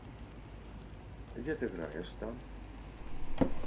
Дзе ты граеш там?